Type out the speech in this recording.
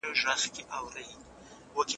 آیا تاسو کله هم داسې هوښیار مسافر لیدلی دی؟